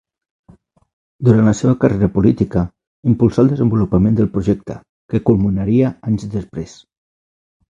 Durant la seva carrera política, impulsà el desenvolupament del projecte, que culminaria anys després.